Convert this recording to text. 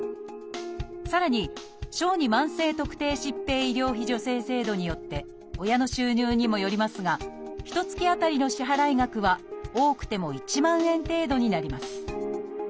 さらに「小児慢性特定疾病医療費助成制度」によって親の収入にもよりますがひとつき当たりの支払額は多くても１万円程度になります。